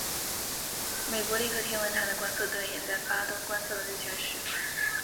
美国利克天文台的观测队也在巴东观测了日全食。